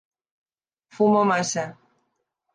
Fumo massa.